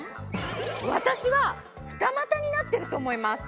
私は二股になってると思います。